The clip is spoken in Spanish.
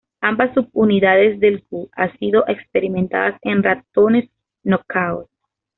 Ambas subunidades del Ku han sido experimentadas en ratones knock out.